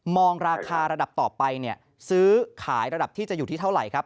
ราคาระดับต่อไปเนี่ยซื้อขายระดับที่จะอยู่ที่เท่าไหร่ครับ